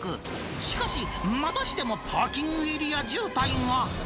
しかし、またしてもパーキングエリア渋滞が。